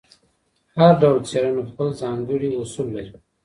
هر ډول څېړنه خپل ځانګړي اصول لري.